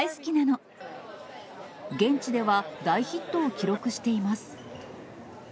現地では、大ヒットを記録しています。